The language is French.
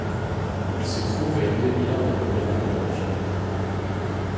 Il se trouve à une demi-heure de Copenhague en voiture.